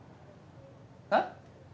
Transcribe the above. えっ？